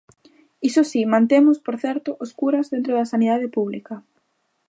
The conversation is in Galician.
Iso si, mantemos, por certo, os curas dentro da sanidade pública.